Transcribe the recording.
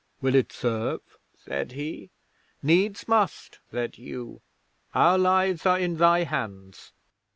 "Will it serve?" said he. '"Needs must," said Hugh. "Our lives are in thy hands."